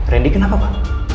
randy kenapa pak